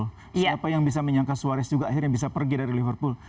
siapa yang bisa menyangka suaris juga akhirnya bisa pergi dari liverpool